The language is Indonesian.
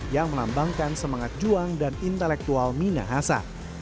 yang melambangkan semangat juang dan intelektual minahasa